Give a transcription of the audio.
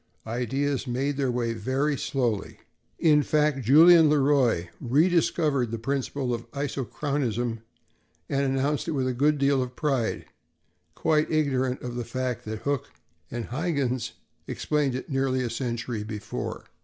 Ideas made their way very slowly. In fact, Julien Le Roy rediscovered the principle of isochronism and announced it with a good deal of pride, quite ignorant of the fact that Hooke and Huyghens explained it nearly a century before.